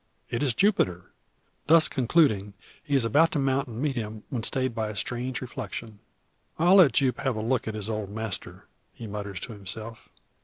It is Jupiter! Thus concluding, he is about to mount and meet him, when stayed by a strange reflection. "I'll let Jupe have a look at his old master," he mutters to himself.